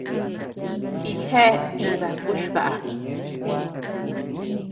Jijea iba kuchbaʼa.